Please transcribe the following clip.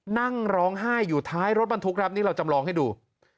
นั่งร้องไห้อยู่ท้ายรถบรรทุกครับนี่เราจำลองให้ดู